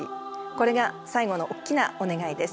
これが最後のおっきなお願いです。